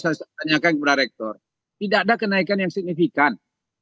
saya tanyakan kepada rektor tidak ada kenaikan yang signifikan